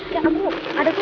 ya ampu ada tuh